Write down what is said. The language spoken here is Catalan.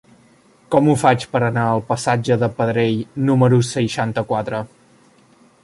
Com ho faig per anar al passatge de Pedrell número seixanta-quatre?